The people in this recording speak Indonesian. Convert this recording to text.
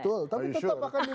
betul tapi tetep akan diberikan